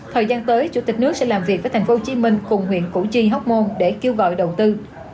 thời gian tới chủ tịch nước sẽ làm việc với tp hcm cùng huyện củ chi hóc môn để kêu gọi đầu tư